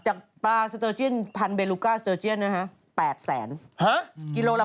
จากปลาสเตอร์เจียนพันเบลูก้าสเตอร์เจียนนะฮะ